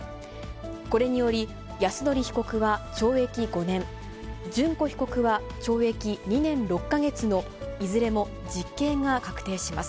これにより、泰典被告は懲役５年、諄子被告は懲役２年６か月のいずれも実刑が確定します。